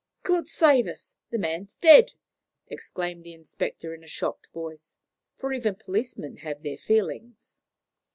"God save us! The man's dead!" exclaimed the inspector in a shocked voice for even policemen have their feelings.